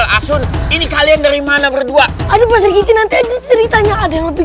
asyik ini kalian dari mana berdua aduh nanti ceritanya ada yang lebih